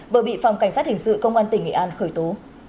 vừa bị phòng cảnh sát hình sự công an tỉnh nghệ an khởi tố